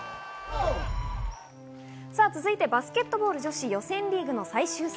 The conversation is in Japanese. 続いてバスケットボール女子・予選リーグの最終戦。